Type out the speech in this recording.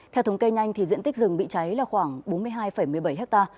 theo thống kê nhanh diện tích rừng bị cháy là khoảng bốn mươi hai một mươi bảy ha